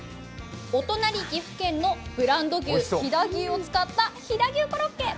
お隣、岐阜県のブランド牛、飛騨牛を使った飛騨牛コロッケ。